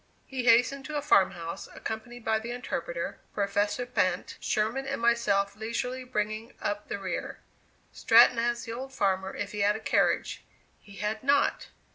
He hastened to a farm house, accompanied by the interpreter, Professor Pinte, Sherman and myself leisurely bringing up the rear. Stratton asked the old farmer if he had a carriage. He had not.